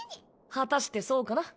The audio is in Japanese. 果たしてそうかな？